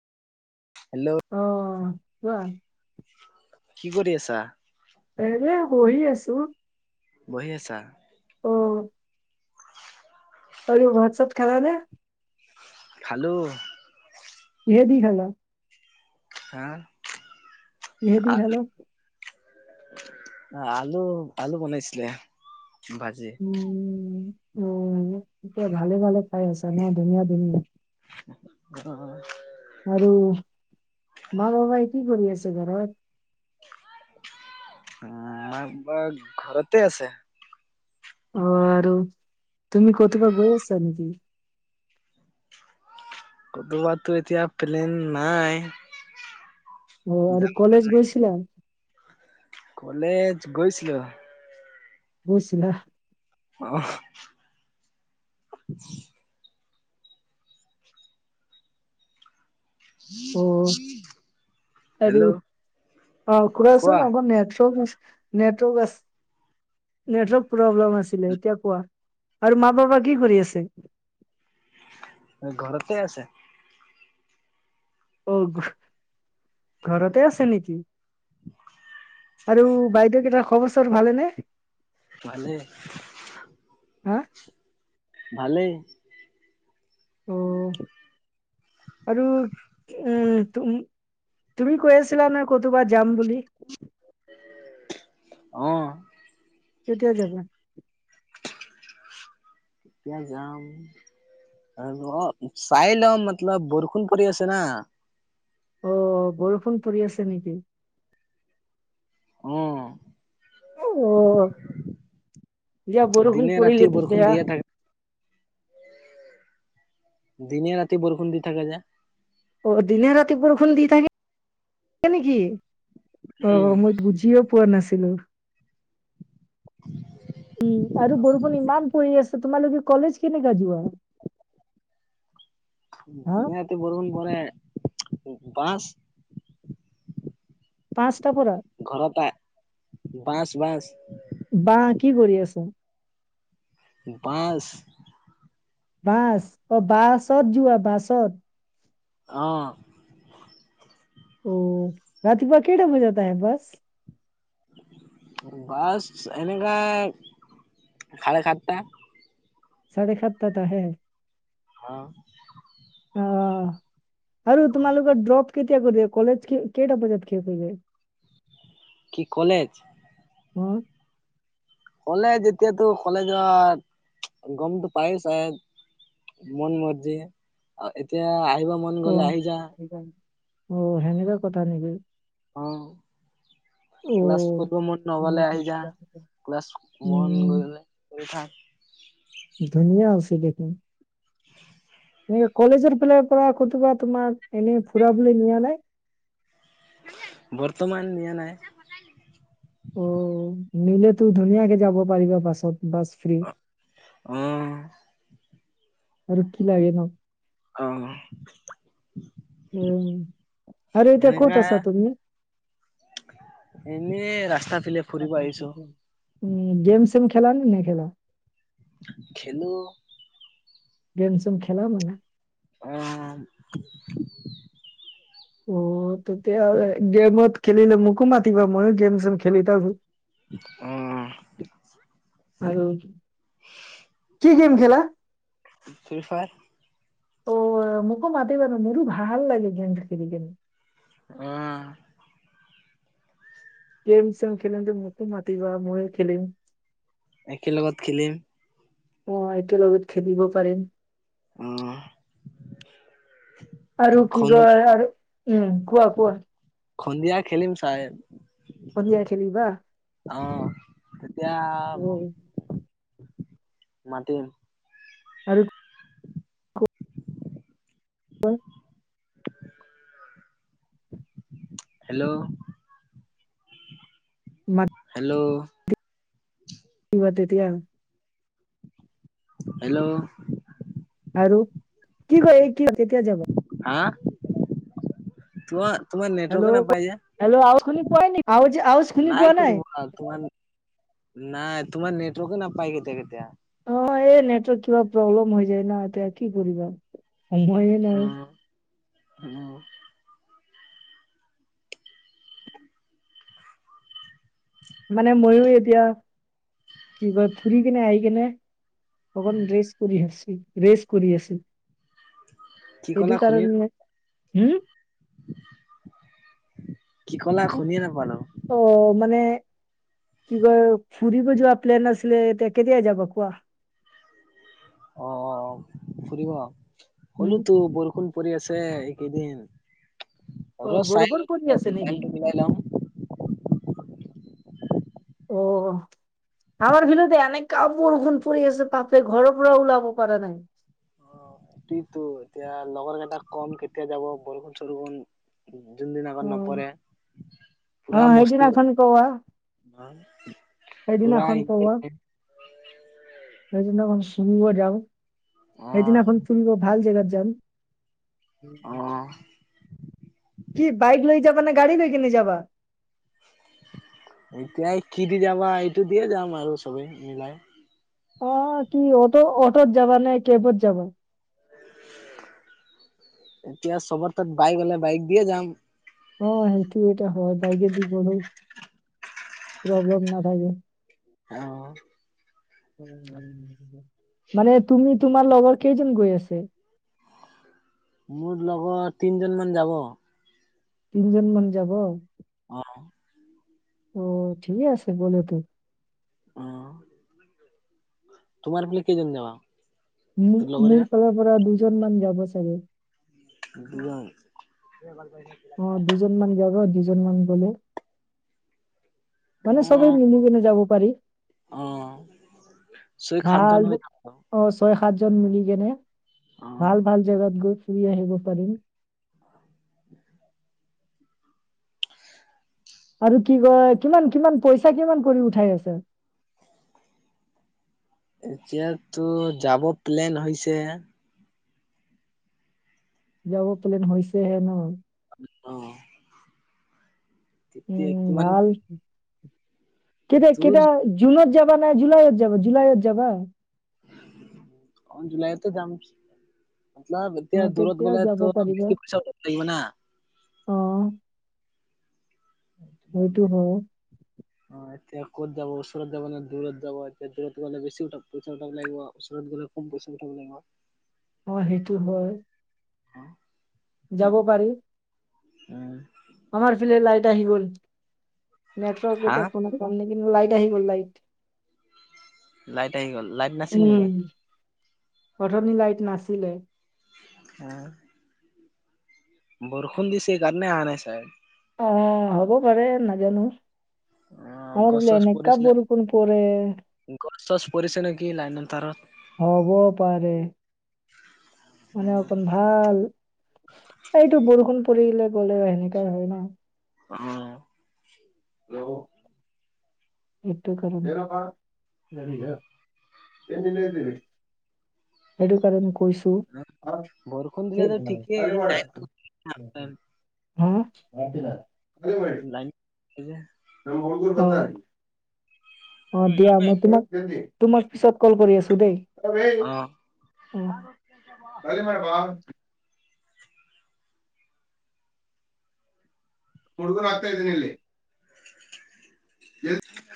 Hello কি কৰি আছা এৰে বহি আছো বহি আছা অ অ ভাত চাত খালা নে খালোঁ কিহে দি খালা সা কিহে দি খালা আলু আলু বনাইছিলে ভাজি উম উম এতিয়া ভালে ভালে খাই আছা ন ধুনীয়া ধুনীয়া উম আৰু ম বাবাই কি কৰি আছে ঘৰত উ মাক ঘৰতে আছে অ আৰু তুমি কতোপা গৈ আছা নেকি কতোপা বাতো এতিয়া প্লেন নাই অ আৰু যাম কলেজ গৈছিলা কলেজ গৈছিলো গৈছিলা অ [inaudible] অ [inaudible] আৰু হেল্ল' অ কোৱা খুৰাচোন অকৌ নেটৱৰ্ক নেটৱৰ্ক আ নেটৱৰ্ক প্ৰব্লেম আছিলে এতিয়া কোৱা আৰু মা বাবা কি কৰি আছে। ঘৰতে আছে। অ'। ঘৰতে আছে নেকি আৰু বাইদেউ কেইটা খবৰ। ভালে নে। ভালে। হা। ভালেই। অ আৰু উম তুমি কৈ আছিলা নে। ক'তোবা যাম বুলি। অ'। তেতিয়া যাবা। কেতিয়া যাম। আৰু অ চাই ল মতলব বৰষুণ পৰি আছে না। অ বৰষুণ পৰি আছে নেকি। উম। অ দিয়া বৰষুণ দিনে ৰাতি পৰিলেতো বৰষুণ বেয়া দিয়ে থাকে। দিনে ৰাতি বৰষুণ দি থাকে যে। অ দিনে ৰাতি বৰষুণ দি থাকে নেকি অ উম মই বুজিয় পোৱা নাছিলো। [inaudible] উম আৰু অ বৰষুণ ইমান পৰি আছা তোমালোকে কলেজ কেনেকাঁ যোৱা। হা দিনে ৰতি বৰষূণ পৰে বাছ। পাঁচটা পৰা। ঘৰটা বাচ বাচ। বা কি কৰি আছো। বাছ। বাছ অ বাছত যোৱা বাছত। অ'। অ ৰাতিপুৱা কেটা মজাতে বাছ। বাছ এনেকা খাৰে খাতটা। চাৰে খাটাত আহে। হ, অ'। অ আৰু তোমালোকৰ ড্ৰপ কেতিয়া কৰি কলেজ কেইটা বজাত শেষ হৈ যায়। কি কলেজ। অ'। কলেজ যেতিয়াতো কলে যোৱা গমতটো পায় চাই এ। মন মৰ্জি আৰু এতিয়া আহিব মন অ গলে আহি যা। [unintelligible] অ হেনেকাঁ কথা নেকি। অ'। অ ক্লাছ কৰ মন নগলে আহ যা ক্লাছ মন উম গলে। কৰি থাক। ধুনীয়া আছে দেখোন। [inaudible] এনেকে কলেজৰ ফাল পৰা কোবা তোমাক এনেই ফুৰাবলৈ নিয়া নাই। বৰ্তমান নিয়া নাই। অ নিলে তো ধুনীয়াকে যাব পাৰিবা বাছত বাছ ফ্ৰী অ আৰু কি লাগে নু আহ উম আৰে এতিয়া ক'ত আছা তুমি এনেই ৰাস্তা ফেলে ফুৰিব আহিছো উ গেম চেম খেল নে নাই খেলা খেলো গেম চেম খেলা মানে অ অ তেতিয়া হলে গেমত খেলিলে মোকো মাতিৱা মই গেম চেম খেলি থাকো আহ আৰু কি গেম খেলা ফি ফায়াৰ অ' মোকো মাতিবা ন মোৰো ভাল লাগে গেম খেলি কিনে অ গেম ছেম খেলিবলে মোকো মাতিবা ময়ে খেলিম একে লগত খেলিম অ', এইটো লগত খেলিব পাৰিম। উম। আৰু কি কয় আৰু উম কোৱা কোৱা। সন্দিয়া খেলিম চাইট। সন্ধিয়া খেলিবা অ', তেতিয়া অ' মাতিম। আৰু অই [inaudible] হেল্ল' হেল্ল'। কি বাদেতিয়াৰ [unintelligible] হেল্ল'। আৰু কি কয় কি তেতিয়া যাব। হা তো তোমাৰ নেটৱৰ্কে হেল্ল' নাপাই যে হেল্ল' আউজ সুনি পোৱাই, নাই আউজ আউজ শুনি পোৱা নাই। অ', তোমা নাই তোমাৰ নেটৱৰ্ক নাপাই কেতিয়া কেতিয়া অ', এই নেটৱৰ্ক কিবা প্ৰব্লেম হৈ যায় ন এতিয়া কি কৰিবা। সময়ে নাই ওম ওম। [unintelligible] মানে মইও এতিয়া কি কয় ফুৰি কেনে আহি কিনে অকণ ৰেষ্ট কৰি আছো ৰেচ কৰি আছে কি ক'লা সেইটো শুনি কাৰণে হ'ম। কি কলা শুনিয়ে নাপালো। ত' মানে কিবা ফুৰিব যোৱা প্লেন আছিলিলে তে কেতিয়া যাব কোৱা। অ', অ', ফুৰিব উম হ'লো তো বৰষুন কৰি আছে এইকেইদিন অ হলো চাই বৰষুণ পৰি আছে নেকি টাইমটো মিলাই লম। অ'। আমাৰ ভিততে এনেকা বৰষুণ পৰি আছে তাতে ঘৰ পৰা ওলাব পৰা নাই। অ', সেইটোয়তো এতিয়া লগৰ কেইটা কম কেতিয়া যাব বৰষুণ চৰষুণ যোন দিন অ খন নপৰে পুৰা অ', মস্তি সেইদিনাখন কোৱা পুৰা সেইদিনাখন পোৱা। সেইদিনা চুমত যাম অ সেইদিনাখন তুমি ম ভাল জেগাত যাম। অ'। কি বাইক লৈ যাবা নে গা়ড়ী লৈ কিনে যাবা। এতিয়া কি দি যাবা এইটো দিয়ে যাম আৰু চবেই মিলাই। অ' কি অ'ট অটত যাবা নে কেবত যাবা। এতিয়া চবত তাত বাইক হ'লে বাইক দিয়ে যাম। অ', সেইটো এটা হয় বাইকে দি ব প্ৰব্লেম নাথাকে। অ'। মানে তুমি তোমাৰ লগৰ কেইজন গৈ আছে। মোৰ লগত তিনজন মান যাব। তিনিজন মান যাব। অ'। অ' ঠিক আছে বলে তো। অ', তোমাৰ পলে কেইজন যাবা। তোৰ মোৰ মোৰ লগৰীয়া ফালৰ পৰা দুজন মান যাব চাগে। দুজন। অ', দুজন মান যাব দুইজনমানান বলে। মানে অ সবেই মিলি মিলি যাব পাৰি। অ' চুই খাদ ধান ভাল হৈ [unintelligible] অ' ছয় সাতজন মিলি কেনে ভাল অ। ভাল জেগাত গৈ ফুৰি আহিব পাৰিম। [unintelligible] [unintelligible] আৰু কি কয়, কিমান কিমান পইচা কিমান কৰি উঠাই আছে। এতিয়াতো যাব প্লেন হৈছেহে। যাব প্লেন হৈছেহে ন। অ'। তেতিয়া উম, কিমান ভাল। কেতিয়া, দূৰ কেতিয়া জুনত যাবা নে জুলাইত যাবা জুলাইত যাবা। অ' জুলাইতে যাম। মতলব এতিয়া অ', দূৰত তেতিয়াও গ'লে যাব ত' পাৰিবা। বেছি পইচা লাগিব না। অ', সেটো সেইটো ভালে। হয়। অ' এতিয়া ক'ত যাব ওচৰত যাব নে, দূৰত যাব। এতিয়া, দূৰত গ'লে বেছি উঠ পইচা উঠাব লাগিব ওচৰত গ'লে কম পইচা গুটাব লাগিব। অ' হেইটো হয়। হ। যাব পাৰি। উম। আমাৰ এফালে লাইট আহি গ'ল নেটৱৰ্ক হা এতিয়া ফোনত কম নেকি, কিন্তু লাইট আহি গ'ল লাইট। লাইট আহি গ'ল লাইট নাছিল নেকি? ওঠনি লাইট নাছিলে। আ বৰষুন দিছে কাৰনে আহা নাই চা অ' হ'ব পাৰে নাজানো। অ আৰু গছ চছ এনেকা পৰিছিলে বৰষুন পৰে। গছ চছ পৰিছে নেকি লাইনৰ তাৰত। হ'ব পাৰে। মানে অকণ ভাল এইটো বৰষুণ পৰিললে গ'ল এনেকুৱাই হয় না। হয়। উ [inaudible] [unintelligible] সেইটো কাৰণ কৈছো অ বৰষুণ দিলেতো ঠিকেই লাইনটো [unintelligible] লাইন এই যে অ' দিয়া লাইন মই তোমাক তোমাক পিছত ক'ল কৰি আছো দেই। অ হৰি ম ব [unintelligible] পলোৱা হাতে জিনিলী। জ [unintelligible]